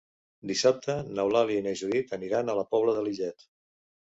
Dissabte n'Eulàlia i na Judit aniran a la Pobla de Lillet.